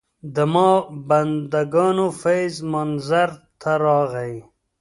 د ما بندګانو فیض منظر ته راغی.